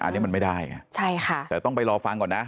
อันนี้มันไม่ได้ไงใช่ค่ะแต่ต้องไปรอฟังก่อนนะ